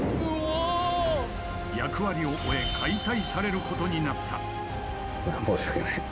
役割を終え解体されることになった。